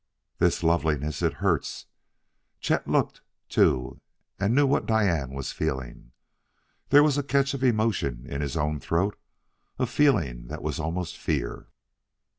"This loveliness it hurts!" Chet looked, too, and knew what Diane was feeling. There was a catch of emotion in his own throat a feeling that was almost fear.